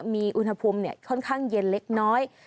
มีอุณหภูมิค่อนข้างเย็นเล็กน้อย